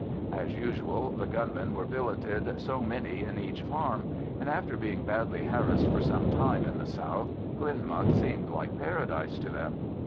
As usual, the gunmen were billeted so many in each farm, and after being badly harassed for some time in the south, Glenmuck seemed like Paradise to them.